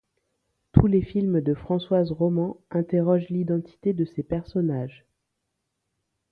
Tous les films de Françoise Romand interrogent l'identité de ses personnages.